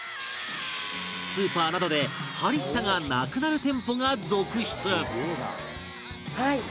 スーパーなどでハリッサがなくなる店舗が続出